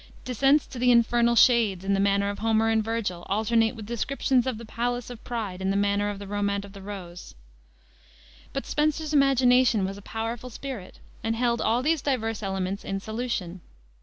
Descents to the infernal shades, in the manner of Homer and Vergil, alternate with descriptions of the Palace of Pride in the manner of the Romaunt of the Rose. But Spenser's imagination was a powerful spirit, and held all these diverse elements in solution.